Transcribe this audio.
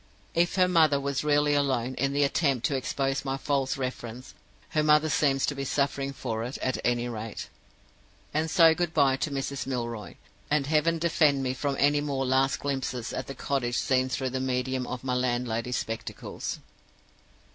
If her mother was really alone in the attempt to expose my false reference, her mother seems to be suffering for it, at any rate. And so good by to Mrs. Milroy; and Heaven defend me from any more last glimpses at the cottages seen through the medium of my landlady's spectacles!"